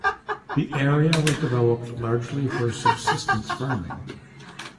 The area was developed largely for subsistence farming.